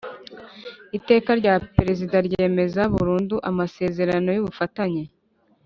Iteka rya Perezida ryemeza burundu amasezerano y ubufatanye